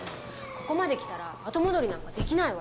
ここまで来たら後戻りなんか出来ないわよ。